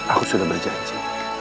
aku sudah berjanji